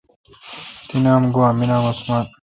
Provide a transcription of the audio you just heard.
تی نام گوا می نام عثمان